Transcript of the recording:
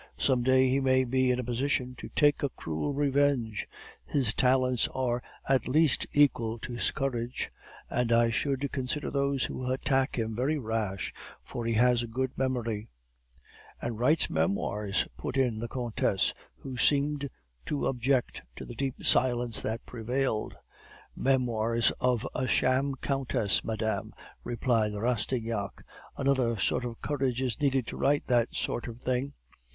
'Some day he may be in a position to take a cruel revenge; his talents are at least equal to his courage; and I should consider those who attack him very rash, for he has a good memory ' "'And writes Memoirs,' put in the countess, who seemed to object to the deep silence that prevailed. "'Memoirs of a sham countess, madame,' replied Rastignac. 'Another sort of courage is needed to write that sort of thing.